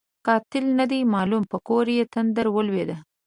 قاتل نه دی معلوم؛ په کور یې تندر ولوېد.